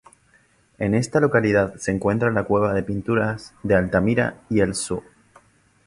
En esta localidad se encuentra la cueva de pinturas de Altamira y el Zoo.